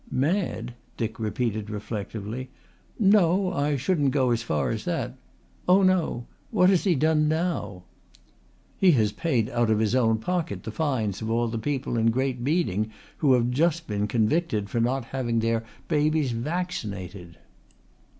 "Mad?" Dick repeated reflectively. "No, I shouldn't go as far as that. Oh no! What has he done now?" "He has paid out of his own pocket the fines of all the people in Great Beeding who have just been convicted for not having their babies vaccinated."